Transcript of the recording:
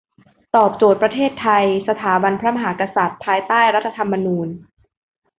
ตอบโจทย์ประเทศไทย สถาบันพระมหากษัตริย์ ภายใต้รัฐธรรมณูญ